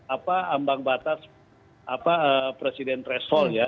apa ambang batas presiden threshold ya